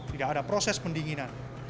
tidak ada proses pendinginan